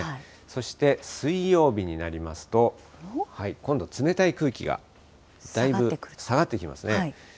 そして、水曜日になりますと、今度、冷たい空気がだいぶ下がってきますね。